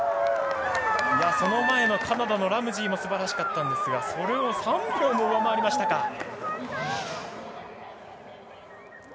その前のカナダのラムジーもすばらしかったんですがそれを３秒も上回りましたか。